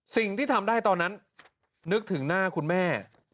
สิ่งที่ทำได้ตอนนั้นนึกถึงหน้าคุณแม่